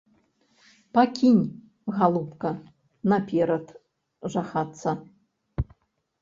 Пакінь, галубка, наперад жахацца!